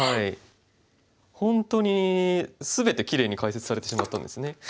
本当に全てきれいに解説されてしまったんですね。